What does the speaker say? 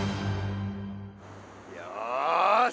よし！